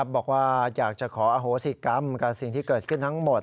บอกว่าอยากจะขออโหสิกรรมกับสิ่งที่เกิดขึ้นทั้งหมด